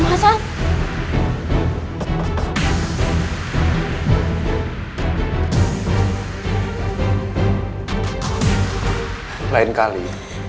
mas ini udah selesai